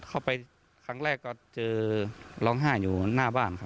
เข้าไปครั้งแรกก็เจอร้องไห้อยู่หน้าบ้านครับ